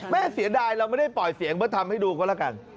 เสียดายเราไม่ได้ปล่อยเสียงเพื่อทำให้ดูก็แล้วกัน